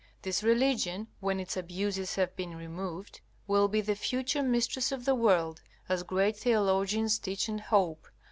This religion, when its abuses have been removed, will be the future mistress of the world, as great theologians teach and hope.